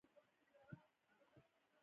کوم چې د نورو تیوریو د پیل ټکی هم جوړوي.